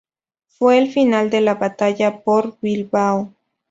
Fue el final de la batalla por Bilbao.